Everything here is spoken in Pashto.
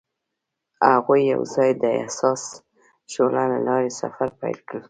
هغوی یوځای د حساس شعله له لارې سفر پیل کړ.